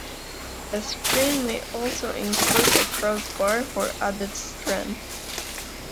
The screen may also include a crossbar for added strength.